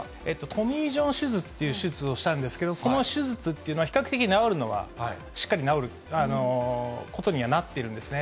トミー・ジョン手術という手術をしたんですけども、その手術というのは比較的治るのは、しっかり治ることにはなってるんですね。